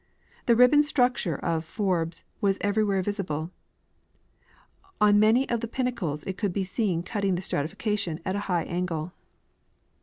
The ribbon structure of Forbes was everywhere visible. On many of the jDinnacles it could be seen cutting the stratification at a high angle.